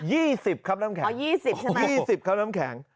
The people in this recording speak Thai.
สิบครับน้ำแข็งอ๋อยี่สิบใช่ไหมยี่สิบครับน้ำแข็ง